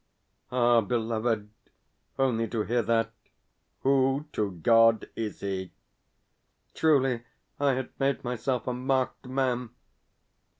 Ah, beloved, only to hear that, "Who to God is he?" Truly I had made myself a marked man!